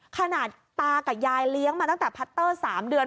ตากับยายเลี้ยงมาตั้งแต่พัตเตอร์๓เดือน